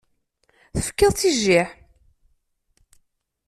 Tefkiḍ-tt i jjiḥ.